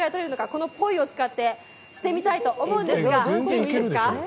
このぽいを使ってしてみたいと思いますが。